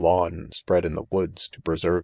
lawn ? spread in i he . woo.ds_ to preserve .